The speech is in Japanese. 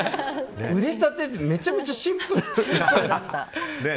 腕立てめちゃめちゃシンプル。